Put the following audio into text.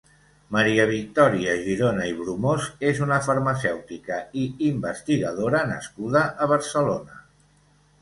Maria Victòria Girona i Brumós és una farmacèutica i investigadora nascuda a Barcelona.